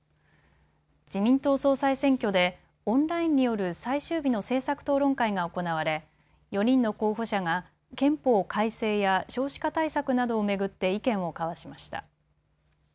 自民党総裁選挙でオンラインによる最終日の政策討論会が行われ４人の候補者が憲法改正や少子化対策などを巡って意見を交わしました。